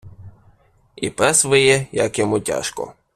І пес виє, як йому тяжко.